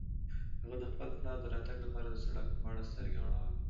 هغه د خپل پلار د راتګ لپاره د سړک په غاړه سترګې غړولې.